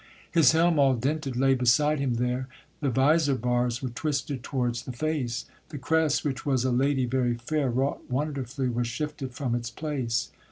His helm all dinted lay beside him there, The visor bars were twisted towards the face, The crest, which was a lady very fair, Wrought wonderfully, was shifted from its place.